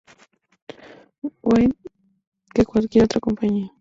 Wade que cualquier otra compañía.